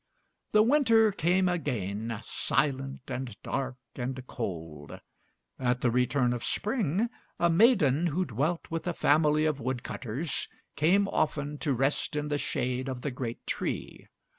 The winter came again, silent and dark and cold. At the return of spring, a maiden who dwelt with a family of wood cutters came often to rest in the shade of the great tree.